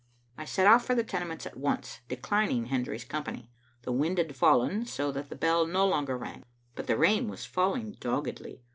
I set off for the Tenements at once, declining Hen dry's company. The wind had fallen, so that the bell no longer rang, but the rain was falling doggedly.